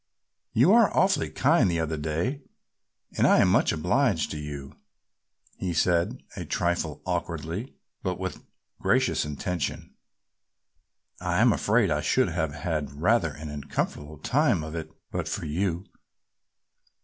"You were awfully kind the other day and, I am much obliged to you," he said a trifle awkwardly, but with gracious intention. "I am afraid I should have had rather an uncomfortable time of it but for you."